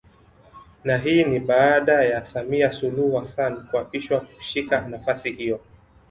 Na hii ni baada ya Samia Suluhu Hassan kuapishwa kushika nafasi hiyo